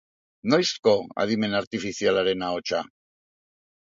Noizko adimen artifizialaren ahotsa?